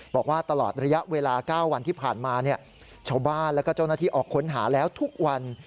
บอกว่าตลอดระยะเวลา๙วันที่ผ่านมาชาวบ้านแล้วก็เจ้าหน้าที่ออกค้นหาแล้วทุกวัน